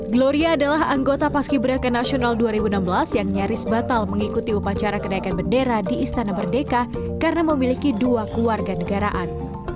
gloria adalah anggota pasciberaka nasional dua ribu enam belas yang nyaris batal mengikuti upacara kenaikan bendera di istana berdeka karena memiliki dua kewarganegaraan